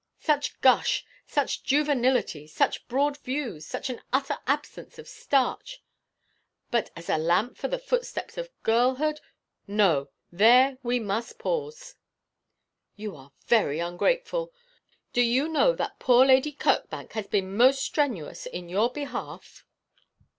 Such gush, such juvenility, such broad views, such an utter absence of starch; but as a lamp for the footsteps of girlhood no, there we must pause.' 'You are very ungrateful. Do you know that poor Lady Kirkbank has been most strenuous in your behalf?'